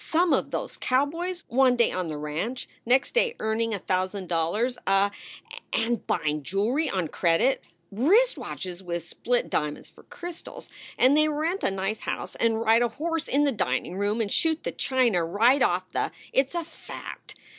some of those cowboys one day on the ranch, next day earning a thousand dollars a and buying jewelry on credit wrist watches with split dia monds for crystals and they rent a nice house and ride a horse in the dining room and shoot the china right off the It s a fact!